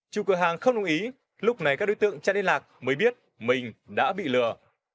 chủ cửa hàng không đồng ý lúc này các đối tượng chặn liên lạc mới biết mình đã bị lừa